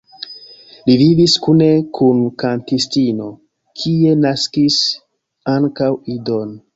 Li vivis kune kun kantistino, kie naskis ankaŭ idon.